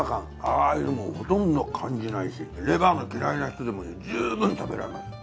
ああいうのほとんど感じないしレバーが嫌いな人でも十分食べられます。